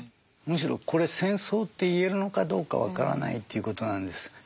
むしろこれ戦争って言えるのかどうか分からないということなんです。